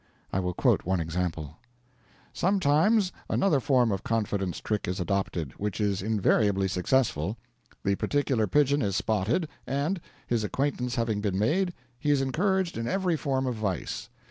I will quote one example: "Sometimes another form of confidence trick is adopted, which is invariably successful. The particular pigeon is spotted, and, his acquaintance having been made, he is encouraged in every form of vice.